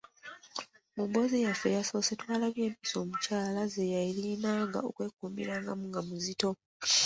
Mu mboozi yaffe eyasoose, twalabye empisa omukyala ze yalinanga okwekuumirangamu nga muzito.